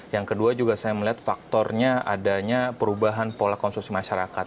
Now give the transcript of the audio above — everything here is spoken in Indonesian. yang kedua juga saya melihat faktornya adanya perubahan pola konsumsi masyarakat